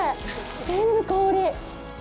全部氷。